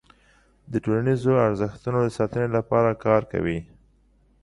د ټولنیزو ارزښتونو د ساتنې لپاره کار کوي.